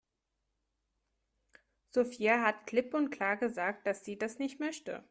Sophie hat klipp und klar gesagt, dass sie das nicht möchte.